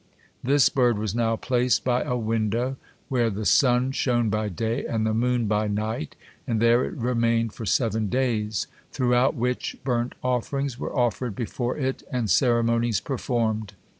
This bird was now placed by a window where the sun shone by day and the moon by night, and there it remained for seven days, throughout which burnt offerings were offered before it, and ceremonies performed.